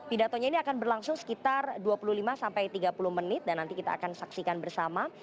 pidatonya ini akan berlangsung sekitar dua puluh lima sampai tiga puluh menit dan nanti kita akan saksikan bersama